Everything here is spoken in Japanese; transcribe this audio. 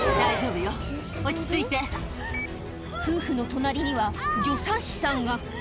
夫婦の隣には助産師さんが。